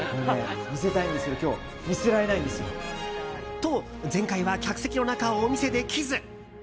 と、前回は客席の中をお見せできず。